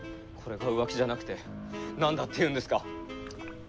これが浮気じゃなくて何だっていうんですか。